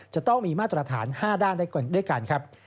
จะต้องมีมาตรฐาน๕ด้านด้วยกันครับ